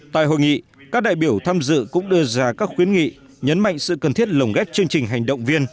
tại hội nghị các đại biểu tham dự cũng đưa ra các khuyến nghị nhấn mạnh sự cần thiết lồng ghép chương trình hành động viên